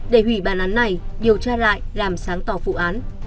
để hủy bàn án này điều tra lại làm sáng tỏ vụ án